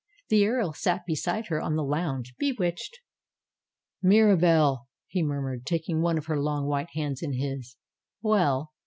The earl sat beside her on the lounge, bewitched. "Mirahelle !" he murmured, taking one of her long white hands in his. "Well